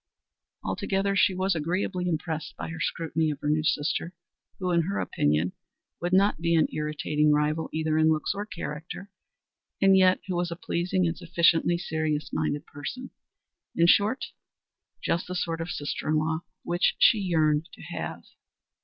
Altogether she was agreeably impressed by her scrutiny of her new sister, who, in her opinion, would not be an irritating rival either in looks or character, and yet who was a pleasing and sufficiently serious minded person in short just the sort of sister in law which she yearned to have.